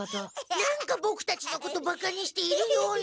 何かボクたちのことバカにしているような。